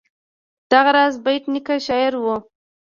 دغه راز بېټ نیکه شاعر هم و.